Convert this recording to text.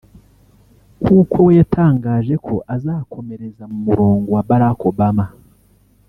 kuko we yatangaje ko azakomereza mu murongo wa Barack Obama